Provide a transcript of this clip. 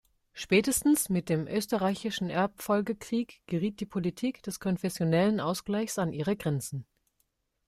Spätestens mit dem österreichischen Erbfolgekrieg geriet die Politik des konfessionellen Ausgleichs an ihre Grenzen.